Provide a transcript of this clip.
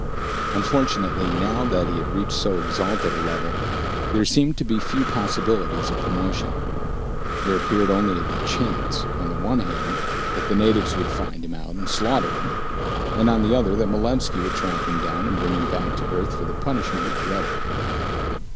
Unfortunately, now that he had reached so exalted a level, there seemed to be few possibilities of promotion. There appeared only the chance, on the one hand, that the natives would find him out and slaughter him, and on the other that Malevski would track him down and bring him back to Earth for the punishment he dreaded.